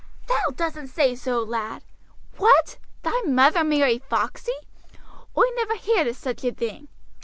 "Thou doesn't say so, lad! What! thy mother marry Foxey! Oi never heer'd o' such a thing.